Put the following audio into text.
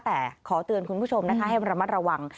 แต่ขอเตือนคุณผู้ชมนะคะให้ระมัดระวัง